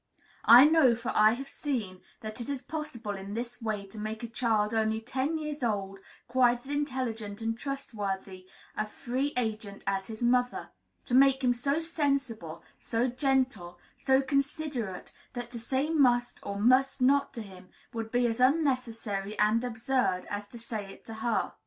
I know, for I have seen, that it is possible in this way to make a child only ten years old quite as intelligent and trustworthy a free agent as his mother; to make him so sensible, so gentle, so considerate that to say "must" or "must not" to him would be as unnecessary and absurd as to say it to her.